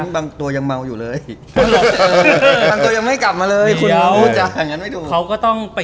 เป็นเพื่อนกันอยู่พักนึงไง